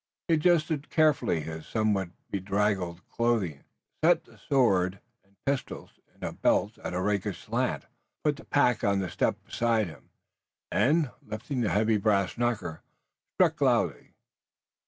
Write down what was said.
He adjusted carefully his somewhat bedraggled clothing, set the sword and pistols in his belt at a rakish slant, put the pack on the step beside him, and, lifting the heavy brass knocker, struck loudly.